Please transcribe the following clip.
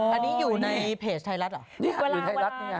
อ๋ออันนี้อยู่ในเพจไทรรัสเหรอนี่ค่ะอันนี้ไทรรัสเนี้ย